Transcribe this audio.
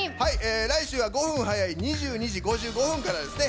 来週は５分早い２２時５５分からですね。